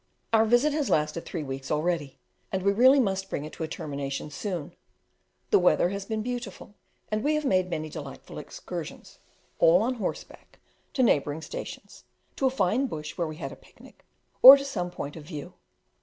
Our visit has lasted three weeks already, and we really must bring it to a termination soon. The weather has been beautiful, and we have made many delightful excursions, all on horseback, to neighbouring stations, to a fine bush where we had a picnic, or to some point of view.